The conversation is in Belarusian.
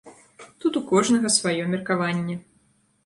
Тут у кожнага, сваё меркаванне.